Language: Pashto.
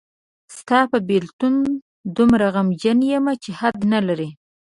ستا په بېلتون دومره غمجن یمه چې حد نلري